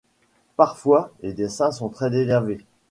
Parfois, les dessins sont très délavés.